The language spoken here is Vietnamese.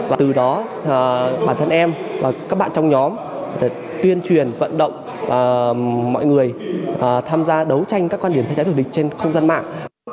và từ đó bản thân em và các bạn trong nhóm tuyên truyền vận động mọi người tham gia đấu tranh các quan điểm xã hội thù địch trên không gian mạng